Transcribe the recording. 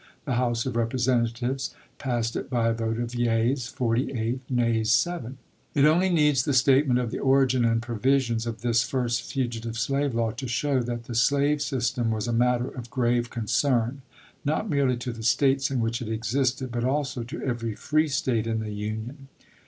The House of Representatives passed it by a vote of, yeas, forty eight; nays, seven. It only needs the statement of the origin and provisions of this first fugitive slave law to show that the slave system was a matter of grave con cern, not merely to the States in which it existed, but also to every free State in the Union.